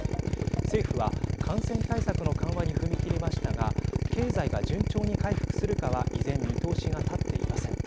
政府は感染対策の緩和に踏み切りましたが経済が順調に回復するかは依然見通しが立っていません。